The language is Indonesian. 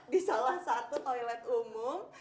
di salah satu toilet umum